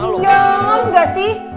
bisa diam gak sih